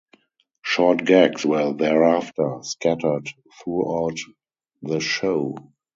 Short gags were thereafter scattered throughout the show.